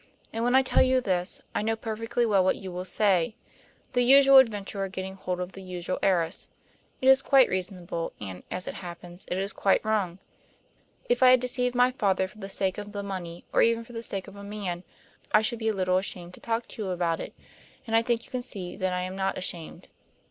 And when I tell you this, I know perfectly well what you will say the usual adventurer getting hold of the usual heiress. It is quite reasonable, and, as it happens, it is quite wrong. If I had deceived my father for the sake of the money, or even for the sake of a man, I should be a little ashamed to talk to you about it. And I think you can see that I am not ashamed."